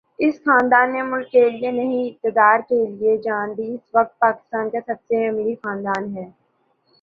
اس خاندان نے ملک کے لیے نہیں اقتدار کے لیے جان دی اس وقت پاکستان کا سب سے امیر خاندان ہے